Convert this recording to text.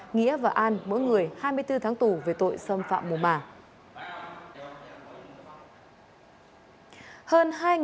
nghĩa và an mỗi người hai mươi bốn tháng tù về tội xâm phạm mùa màng